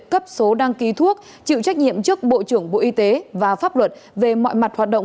cấp số đăng ký thuốc chịu trách nhiệm trước bộ trưởng bộ y tế và pháp luật về mọi mặt hoạt động